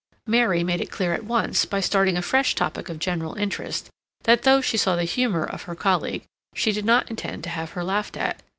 Mary made it clear at once, by starting a fresh topic of general interest, that though she saw the humor of her colleague, she did not intend to have her laughed at.